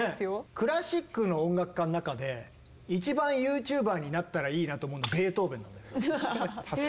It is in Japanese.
クラシックの音楽家の中で一番ＹｏｕＴｕｂｅｒになったらいいなと思うの確かに。